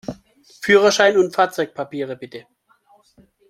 Führerschein und Fahrzeugpapiere, bitte!